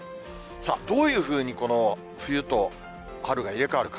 さあ、どういうふうにこの冬と春が入れ替わるか。